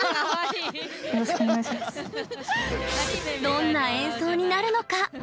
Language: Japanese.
どんな演奏になるのか。